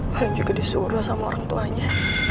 kalian juga disuruh sama orang tuanya